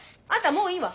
もういいわ。